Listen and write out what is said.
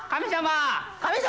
神様！